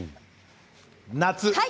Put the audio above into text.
夏。